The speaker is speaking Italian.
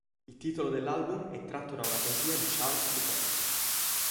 Il titolo dell'album è tratto da una poesia di Charles Bukowski.